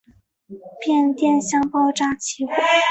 变电箱爆炸起火。